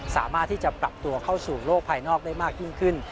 สามารถที่จะปรับตัวเข้าสู่โลกภายนอกได้มากยิ่งขึ้น